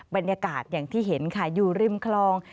บรรยากาศอย่างที่เห็นค่ะอยู่ริมคลอง